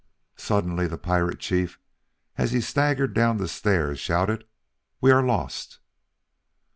Suddenly the pirate chief, as he staggered down the stairs, shouted, "We are lost!"